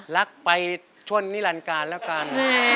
รักไปช่วงนิรันด์กาลแล้วกัน